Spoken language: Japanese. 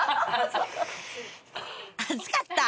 熱かった？